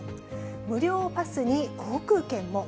無料パスに航空券も。